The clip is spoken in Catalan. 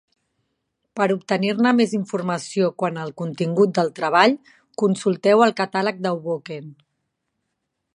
Per obtenir-ne més informació quant al contingut del treball, consulteu el "catàleg de Hoboken".